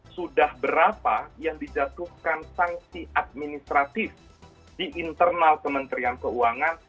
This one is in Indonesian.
sudah berapa yang dijatuhkan sanksi administratif di internal kementerian keuangan